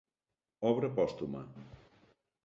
Obra pòstuma.